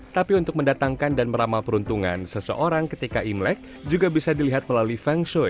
tapi untuk mendatangkan dan meramal peruntungan seseorang ketika imlek juga bisa dilihat melalui feng shui